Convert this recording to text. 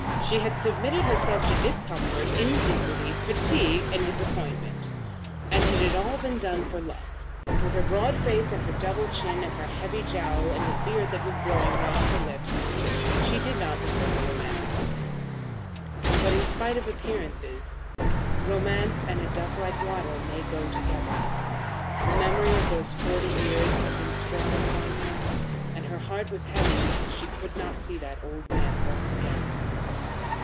She had submitted herself to discomfort, indignity, fatigue, and disappointment; and it had all been done for love. With her broad face, and her double chin, and her heavy jowl, and the beard that was growing round her lips, she did not look like a romantic woman; but, in spite of appearances, romance and a duck like waddle may go together. The memory of those forty years had been strong upon her, and her heart was heavy because she could not see that old man once again.